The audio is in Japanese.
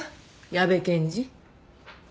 矢部検事。